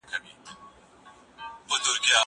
که وخت وي، کتابونه وليکم؟!؟!